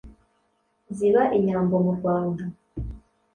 Ziba inyambo mu Rwanda.